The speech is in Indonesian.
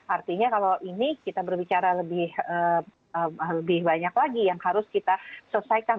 artinya kalau ini kita berbicara lebih banyak lagi yang harus kita selesaikan